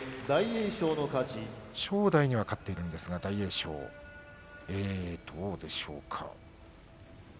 大栄翔、正代には勝っているんですがきょうの相撲はどうでしょうか。